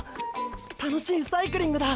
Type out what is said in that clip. たのしいサイクリングだ！